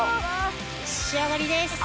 仕上がりです。